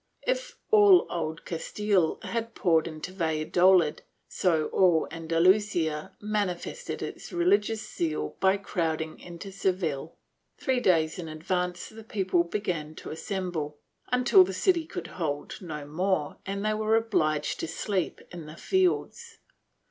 If all Old Castile had poured into Valladolid, so all Andalusia manifested its religious zeal by crowding into Seville. Three days in advance the people began to assemble, until the city could hold no more and they were obliged to sleep in the fields.